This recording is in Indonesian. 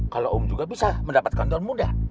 kalau om juga bisa mendapatkan daun muda